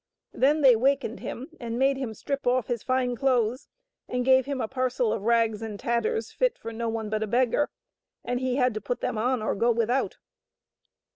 Then they wakened him and made him strip off his fine clothes, and gave him a parcel of rags and tatters fit for no one but a beggar, and he had to put them on or go without.